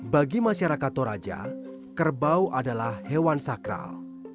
bagi masyarakat toraja kerbau adalah hewan sakral